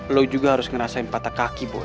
lo juga harus ngerasain patah kaki bu